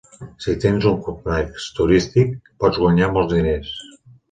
Si tens un complex turístic, pots guanyar molts diners.